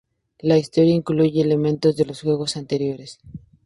La historia incluye elementos de los juegos anteriores.